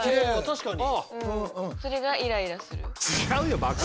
確かに。